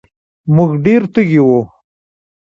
مونږ ډېر تږي وو